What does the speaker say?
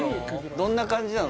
どんな感じなの？